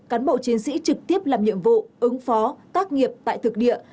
cán bộ chiến sĩ trực tiếp làm nhiệm vụ ứng phó tác nghiệp tại thực địa